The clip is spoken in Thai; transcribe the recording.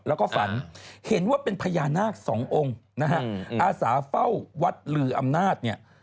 แล้วก็ฝันเห็นว่าเป็นพญานาคสององค์นะฮะอาสาเฝ้าวัดลืออำนาจเนี่ย